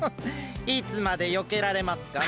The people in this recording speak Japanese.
いつまでよけられますかね？